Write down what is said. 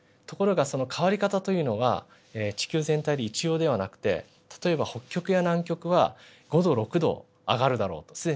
ところがその変わり方というのが地球全体で一様ではなくて例えば北極や南極は５℃６℃上がるだろうと。